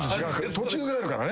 途中があるからね。